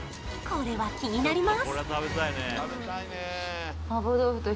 これは気になります